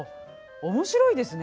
面白いですね。